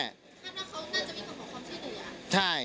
ครับแล้วเขาน่าจะมีของของความช่วยเหนือ